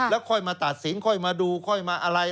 แล้วค่อยมาตัดสินค่อยมาดูค่อยมาอะไร